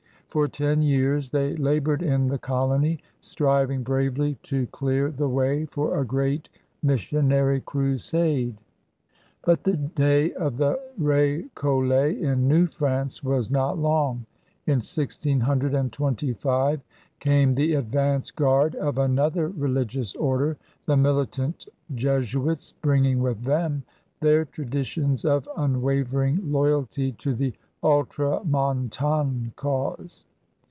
For ten years they labored in the colony, striving bravely to dear the way for a great missionary crusade. But the day of the R6collets in New France was not long. In 1625 came the advance guard of another religious order, the militant Jesuits, bringing with them their traditions of unwavering loyalty to the Ultramontane cause.